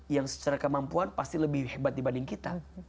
yang secara kemampuan pasti lebih hebat dibanding kita